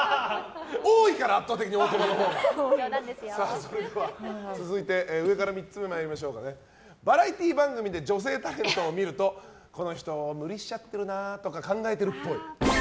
多いから圧倒的に、男のほうが。続いて、上から３つ目バラエティー番組で女性タレントを見るとこの人ムリしちゃってるなとか考えてるっぽい。